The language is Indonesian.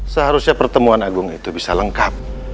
seharusnya pertemuan agung itu bisa lengkap